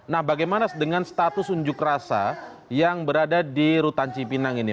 nah bagaimana dengan status unjuk rasa yang berada di rutan cipinang ini